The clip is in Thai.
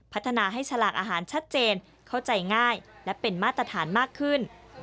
พัฒนาให้ฉลากอาหารชัดเจนเข้าใจง่ายและเป็นมาตรฐานมากขึ้น